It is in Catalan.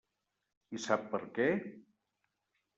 I sap per què?